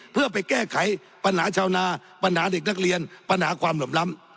เพื่อไปแก้ไขปัญหาชาวนาปัญหาเด็กนักเรียนปัญหาความเหลื่อมล้ำ